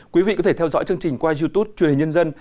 quý vị có thể theo dõi chương trình qua youtube truyền hình nhân dân